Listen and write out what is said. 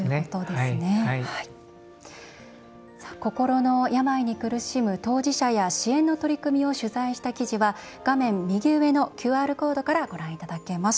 心の病に苦しむ当事者や支援の取り組みを取材した記事は画面右上のＱＲコードからご覧いただけます。